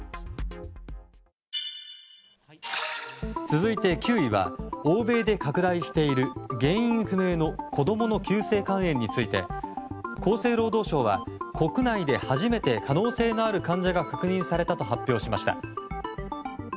続いて９位は欧米で拡大している原因不明の子供の急性肝炎について厚生労働省は、国内で初めて可能性のある患者が確認されたと発表しました。